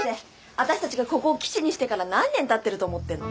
あたしたちがここを基地にしてから何年たってると思ってんの？